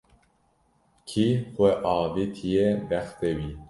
Kî xwe avitiye bextê wî